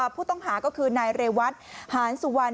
ผู้ต้องหาก็คือนายเรวัตหานสุวรรณ